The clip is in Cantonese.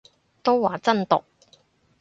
都話真毒